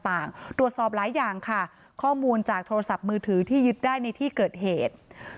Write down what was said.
ตรวจสอบหลายอย่างค่ะข้อมูลจากโทรศัพท์มือถือที่ยึดได้ในที่เกิดเหตุ